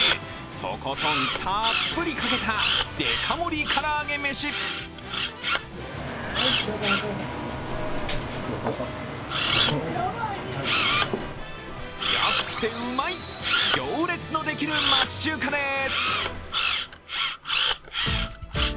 とことんたっぷりかけたデカ盛り唐揚げ飯。安くてうまい、行列のできる町中華です。